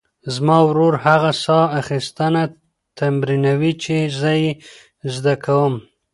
زما ورور هغه ساه اخیستنه تمرینوي چې زه یې زده کوم.